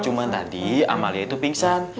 cuma tadi amalia itu pingsan